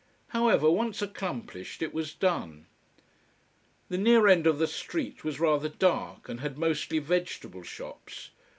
However, once accomplished, it was done. The near end of the street was rather dark, and had mostly vegetable shops.